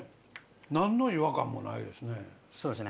何の違和感もないですね。